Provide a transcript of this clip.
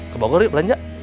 ke bogor yuk belanja